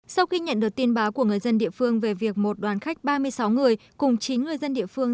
sau khi nhận được tin báo của người dân địa phương về việc một đoàn khách ba mươi sáu người cùng chín người dân địa phương